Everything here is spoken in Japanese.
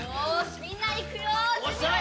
みんないくよ！